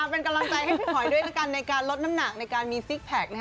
เป็นกำลังใจให้พี่หอยด้วยละกันในการลดน้ำหนักในการมีซิกแพค